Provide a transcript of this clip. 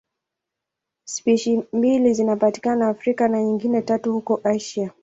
Spishi mbili zinapatikana Afrika na nyingine tatu huko Asia.